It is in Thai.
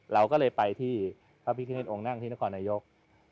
เราก็เลยไปที่พระพิคเนตองค์นั่งที่นครนายก